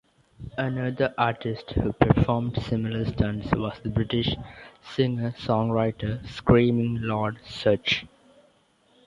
Another artist who performed similar stunts was the British singer-songwriter Screaming Lord Sutch.